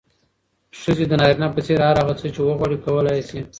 ښځې د نارينه په څېر هر هغه څه چې وغواړي، کولی يې شي.